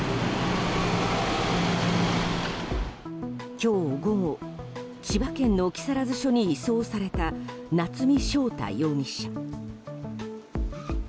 今日午後千葉県の木更津署に移送された夏見翔太容疑者。